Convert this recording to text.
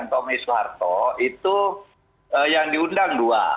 tommy soeharto itu yang diundang dua